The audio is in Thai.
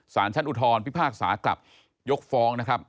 สารชั้นอุทธรพิพากษากลับยกฟ้องนะครับ